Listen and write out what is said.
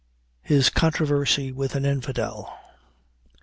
HIS CONTROVERSY WITH AN INFIDEL.